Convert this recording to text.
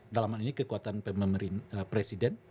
dalam hal ini kekuatan presiden